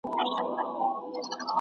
هسي نه چي یې خیرن ښکلي کالي سي ,